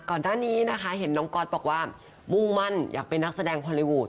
ก่อนหน้านี้นะคะเห็นน้องก๊อตบอกว่ามุ่งมั่นอยากเป็นนักแสดงฮอลลีวูด